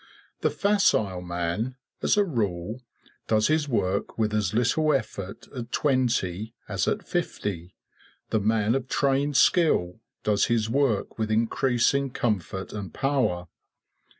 The facile man, as a rule, does his work with as little effort at twenty as at fifty; the man of trained skill does his work with increasing comfort and power.